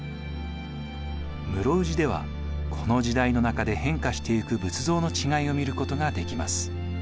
室生寺ではこの時代の中で変化していく仏像の違いを見ることができます。